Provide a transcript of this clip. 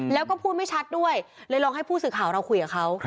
แล้วก็พูดไม่ชัดด้วยเลยลองให้ผู้สื่อข่าวเราคุยกับเขา